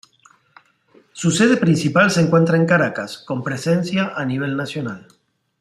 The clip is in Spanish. Su sede principal se encuentra en Caracas, con presencia a nivel nacional.